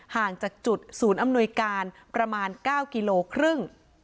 ห่างจากจุดศูนย์อำนวยการประมาณ๙กิโลครึ่ง